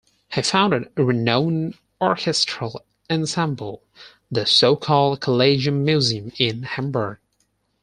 He founded a renowned orchestral ensemble, the so-called "Collegium Musicum" in Hamburg.